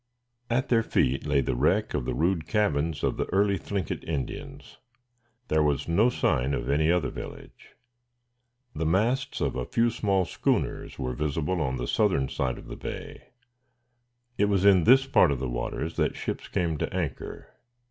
At their feet lay the wreck of the rude cabins of the early Thlinkit Indians. There was no sign of any other village. The masts of a few small schooners were visible on the southern side of the bay. It was in this part of the waters that ships came to anchor.